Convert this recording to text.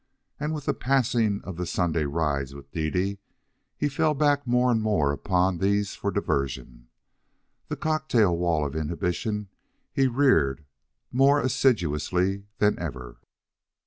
And with the passing of the Sunday rides with Dede, he fell back more and more upon these for diversion. The cocktail wall of inhibition he reared more assiduously than ever.